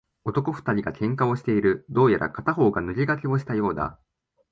男二人が喧嘩をしている。どうやら片方が抜け駆けをしたようだ。